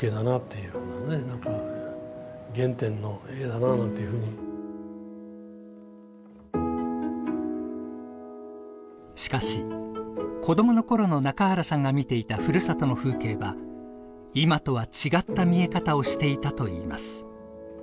やっぱり僕のしかし子どもの頃の中原さんが見ていたふるさとの風景は今とは違った見え方をしていたといいます。